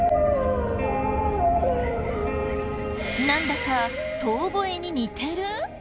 なんだか遠吠えに似てる！？